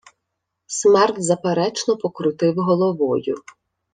Смерд заперечно покрутив головою.